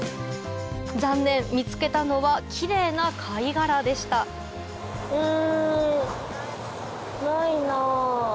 残念見つけたのはキレイな貝殻でしたうん。